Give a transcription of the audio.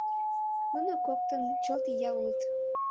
Нуно коктын чылт ия улыт.